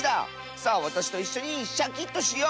さあわたしといっしょにシャキッとしよう！